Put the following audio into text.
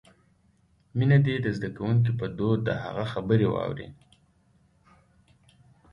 مينه دې د زدکونکې په دود د هغه خبرې واوري.